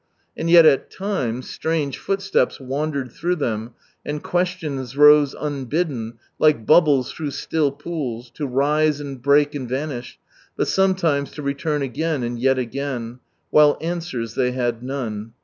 And yet at times, strange footsteps wandered through them, and questions rose unbidden, like bubbles through still pools, to rise and break and vanish, but sometimes to return again, and yet again; while answers they had none.